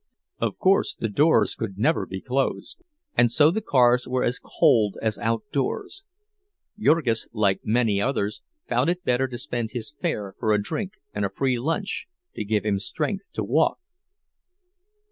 Of course the doors could never be closed, and so the cars were as cold as outdoors; Jurgis, like many others, found it better to spend his fare for a drink and a free lunch, to give him strength to walk.